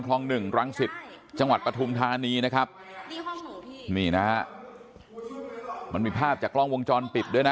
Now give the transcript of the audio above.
หนึ่งรังสิตจังหวัดปฐุมธานีนะครับนี่นะฮะมันมีภาพจากกล้องวงจรปิดด้วยนะ